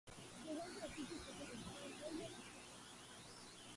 He is also a season ticket and share holder of Ipswich Town.